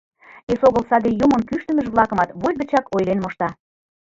Эсогыл саде юмын кӱштымыж-влакымат вуй гычак ойлен мошта.